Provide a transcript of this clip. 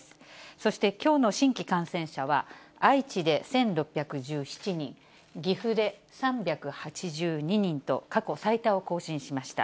そして、きょうの新規感染者は、愛知で１６１７人、岐阜で３８２人と、過去最多を更新しました。